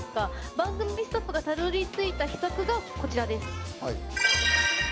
番組スタッフがたどりついた秘策です。